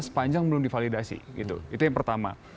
sepanjang belum divalidasi itu yang pertama